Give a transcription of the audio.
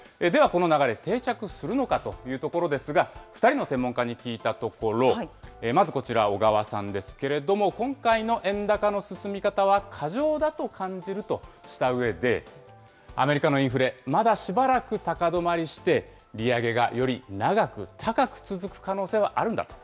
この流れ、定着するのかというところですが、２人の専門家に聞いたところ、まずこちら、尾河さんですけれども、今回の円高の進み方は、過剰だと感じるとしたうえで、アメリカのインフレ、まだしばらく高止まりして、利上げがより長く、高く続く可能性はあるんだと。